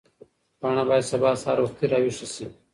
پاڼه باید سبا سهار وختي راویښه شي.